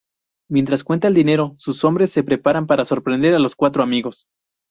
Mientras cuenta el dinero, sus hombres se preparan para sorprender a los cuatro amigos.